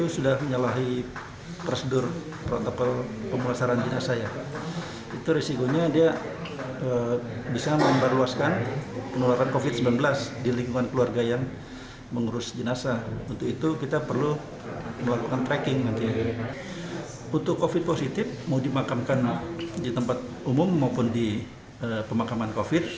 syaratnya adalah protokol pemulasaran jenazah untuk covid sembilan belas tetap dilaksanakan